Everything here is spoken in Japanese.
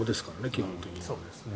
基本的に。